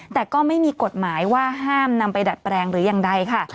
แต่ก็ไม่มีกฎหมายว่าห้ามนำไปดัดแปลงหรือยังใดค่ะ